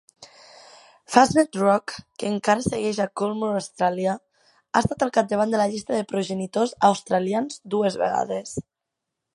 Fastnet Rock, que encara segueix a Coolmore Austràlia, ha estat al capdavant de la llista de progenitors australians dues vegades.